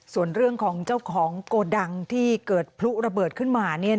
ส่วนเรื่องของเจ้าของโกดังที่เกิดพลุระเบิดขึ้นมา